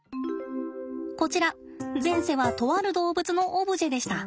こちら前世はとある動物のオブジェでした。